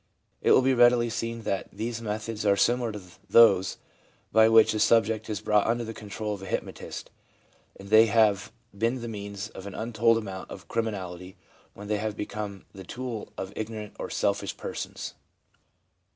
It will be readily seen that these methods are similar to those by which a subject is brought under the control of a hypnotist, and they have been the means of an untold amount of criminality when they have become the tool of ignorant or selfish persons.